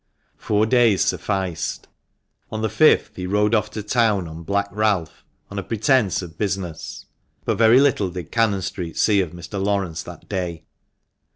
Four days sufficed. On the fifth he rode off to town on Black Ralph on a pretence of business ; but very little did Cannon Street see of Mr. Laurence that day.